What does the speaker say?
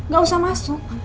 gak usah masuk